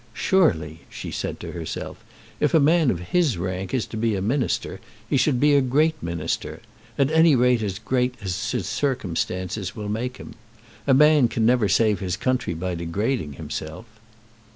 "Surely," she said to herself, "if a man of his rank is to be a minister he should be a great minister; at any rate as great as his circumstances will make him. A man never can save his country by degrading himself."